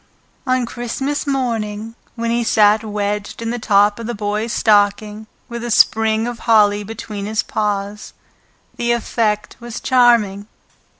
On Christmas morning, when he sat wedged in the top of the Boy's stocking, with a sprig of holly between his paws, the effect was charming.